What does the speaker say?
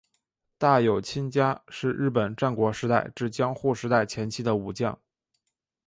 大友亲家是日本战国时代至江户时代前期的武将。